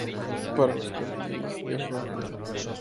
Para los cardenales es roja.